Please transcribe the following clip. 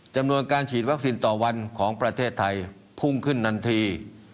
จำนวนการฉีดวัคซีนต่อวันของประเทศไทยพุ่งขึ้นทันที